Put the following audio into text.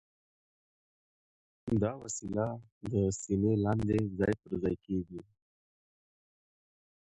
دا وسیله د سینې لاندې ځای پر ځای کېږي.